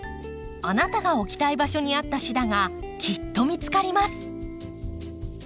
あなたが置きたい場所に合ったシダがきっと見つかります。